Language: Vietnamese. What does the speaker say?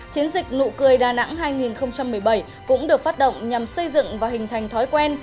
chiến dịch nụ cười đà nẵng hai nghìn một mươi bảy cũng được phát động nhằm xây dựng và hình thành thói quen